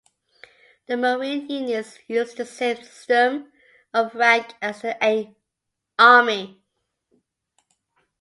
The Marine units use the same system of rank as the Army.